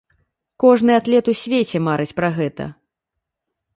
Кожны атлет у свеце марыць пра гэта.